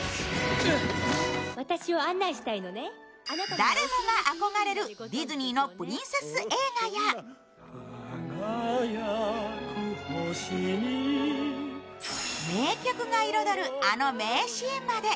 誰もが憧れるディズニーのプリンセス映画や名曲が彩る、あの名シーンまで。